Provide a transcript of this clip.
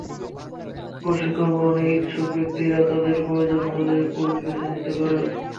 প্রশিক্ষণ গ্রহণে ইচ্ছুক ব্যক্তিরা তাঁদের প্রয়োজন অনুযায়ী কোর্স বেছে নিতে পারেন।